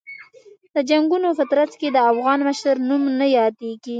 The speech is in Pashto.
د جنګونو په ترڅ کې د افغان مشر نوم نه یادېږي.